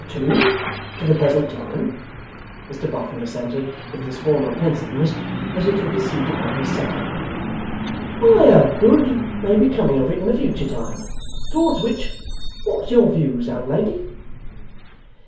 'True, to the present time,' Mr Boffin assented, with his former pensiveness, as he took his seat upon his settle. 'I hope good may be coming of it in the future time. Towards which, what's your views, old lady?